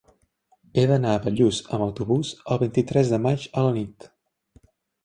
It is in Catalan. He d'anar a Bellús amb autobús el vint-i-tres de maig a la nit.